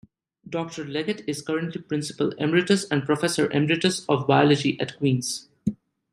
Doctor Leggett is currently Principal Emeritus and Professor Emeritus of Biology at Queen's.